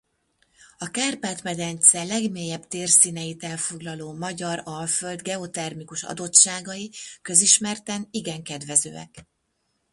A Kárpát-medence legmélyebb térszíneit elfoglaló Magyar Alföld geotermikus adottságai közismerten igen kedvezőek.